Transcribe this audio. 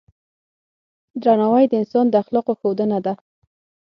درناوی د انسان د اخلاقو ښودنه ده.